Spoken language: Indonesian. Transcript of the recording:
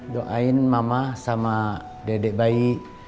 doain mama sama dedek baik